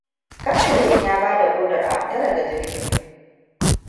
Kaftin ɗin ya bada odar a fita daga jirgin.